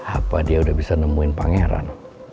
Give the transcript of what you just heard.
apa dia udah bisa nemuin pangeran